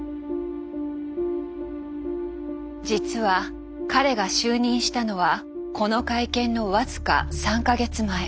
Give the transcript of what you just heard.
実は彼が就任したのはこの会見の僅か３か月前。